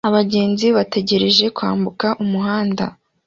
Abagenzi bategereje kwambuka umuhanda